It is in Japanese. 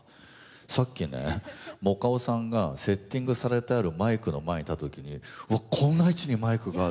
さっきねもかおさんがセッティングされてあるマイクの前に立った時に「わっこんな位置にマイクがある」